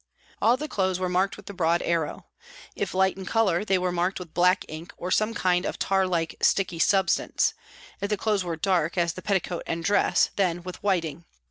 All the clothes were marked with the broad arrow, if light in colour they were marked with black ink or some kind of tar like sticky substance ; if the clothes were dark, as the petticoat and dress, then with whiting.